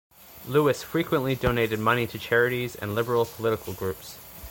Lewis frequently donated money to charities and liberal political groups.